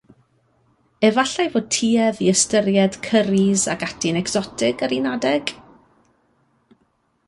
Efallai fod tuedd i ystyried cyrris ac ati'n ecsotig ar un adeg?